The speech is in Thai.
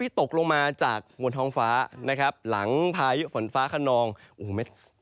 ตกลงมาจากบนท้องฟ้านะครับหลังพายุฝนฟ้าขนองโอ้โหเม็ด